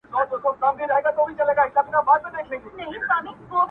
محتسب به له قمچیني سره ښخ وي!